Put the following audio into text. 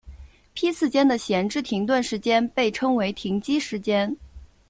批次间的闲置停顿时间被称为停机时间。